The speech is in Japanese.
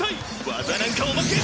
技なんかおまけ！